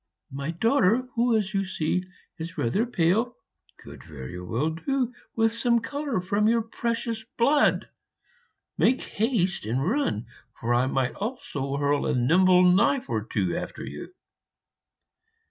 My daughter, who, as you see, is rather pale, could very well do with some color from your precious blood. Make haste and run, for I might also hurl a nimble knife or two after you.'